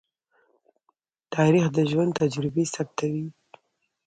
تاریخ د ژوند تجربې ثبتوي.